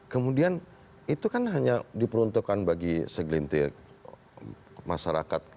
kemudian itu kan hanya diperuntukkan bagi segelintir masyarakat